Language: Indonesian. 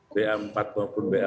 b empat maupun b lima